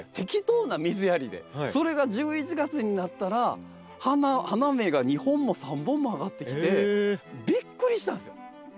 それが１１月になったら花芽が２本も３本もあがってきてびっくりしたんですよ。